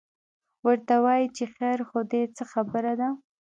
ورته وایي چې خیر خو دی، څه خبره ده؟